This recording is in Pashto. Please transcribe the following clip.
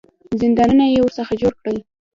زندانونه یې ورڅخه جوړ کړل.